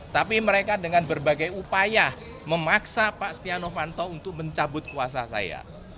tapi mereka dengan berbagai upaya memaksa pak setia novanto untuk mencabut kuasa saya